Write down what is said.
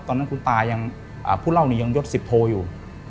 ตอนนั้นคุณตายังผู้เล่านี้ยังยดสิบโทอยู่